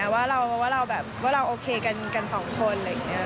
ว่าเราโอเคกันสองคน